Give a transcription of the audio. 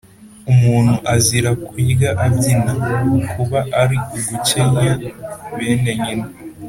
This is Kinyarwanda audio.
Umuntu azira kurya abyina, Kuba ari ugukenya bene nyina.